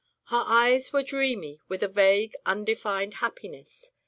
Her eyes were dreamy with a vague, undefined happiness.